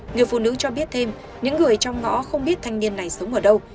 người phụ nữ cho biết thêm những người trong ngõ không biết thanh niên này sống ở đâu